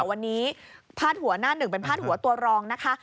วันนี้พาดหัวหน้าหนึ่งเป็นพาดหัวตัวรองนะคะ